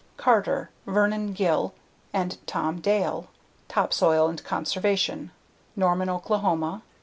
Carter, Vernon Gill, and Tom, Dale. Topsoil and Civilization. Norman, Okla.